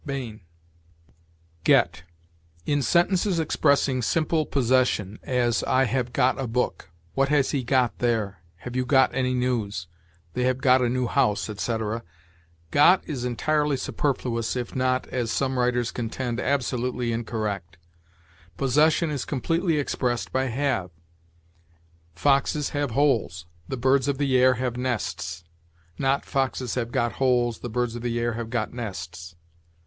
Bain. GET. In sentences expressing simple possession as, "I have got a book," "What has he got there?" "Have you got any news?" "They have got a new house," etc. got is entirely superfluous, if not, as some writers contend, absolutely incorrect. Possession is completely expressed by have. "Foxes have holes; the birds of the air have nests"; not, "Foxes have got holes; the birds of the air have got nests."